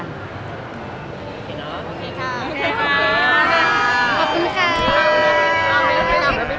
ช่วงนี้พี่ปิ๊กมาดูแลครับค่ะ